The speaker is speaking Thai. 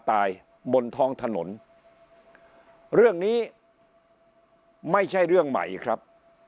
บนท้องถนนเรื่องนี้ไม่ใช่เรื่องใหม่ครับ